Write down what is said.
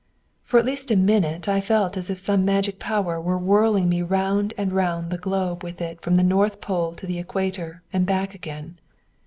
For at least a minute I felt as if some magic power were whirling me round and round the globe with it from the North Pole to the Equator, and back again.